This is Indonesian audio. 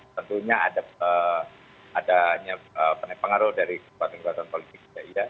tentunya ada penyepengaruh dari kekuatan kekuatan politik juga ya